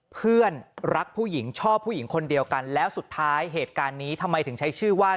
เพื่อนรักผู้หญิงชอบผู้หญิงคนเดียวกันแล้วสุดท้ายเหตุการณ์นี้ทำไมถึงใช้ชื่อว่า